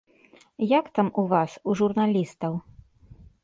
Як там у вас, у журналістаў?